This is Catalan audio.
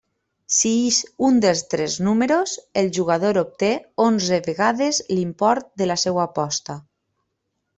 Si ix un dels tres números, el jugador obté onze vegades l'import de la seua aposta.